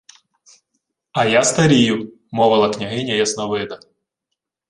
— А я старію, — мовила княгиня Ясновида.